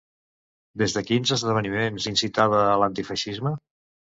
Des de quins esdeveniments incitava a l'antifeixisme?